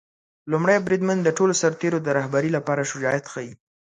لومړی بریدمن د ټولو سرتیرو د رهبری لپاره شجاعت ښيي.